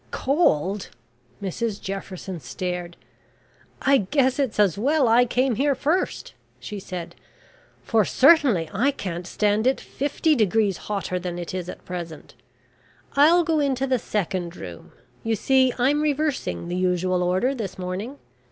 "Cold!" Mrs Jefferson stared. "I guess it's as well I came here first," she said, "for certainly I can't stand it 50 degrees hotter than it is at present. I'll go into the second room. You see I'm reversing the usual order this morning.